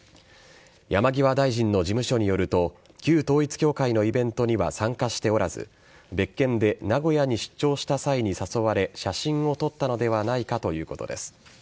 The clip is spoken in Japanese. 山際大臣の事務所によると旧統一教会のイベントには参加しておらず別件で名古屋に出張した際に誘われ写真を撮ったのではないかということです。